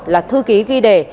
là thư ký ghi đề